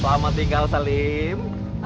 selamat tinggal salim